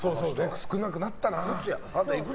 少なくなったな。